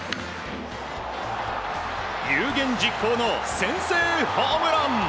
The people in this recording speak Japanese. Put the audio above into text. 有言実行の先制ホームラン。